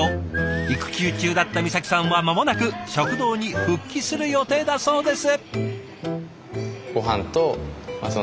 育休中だった美咲さんは間もなく食堂に復帰する予定だそうです。